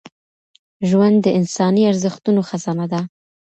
ژوند د انساني ارزښتونو خزانه ده